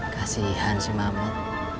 kasihan si mamut